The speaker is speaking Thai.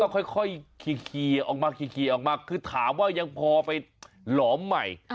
ก็ต้องค่อยคีย์ออกมาคือถามว่ายังพอไปหลอมใหม่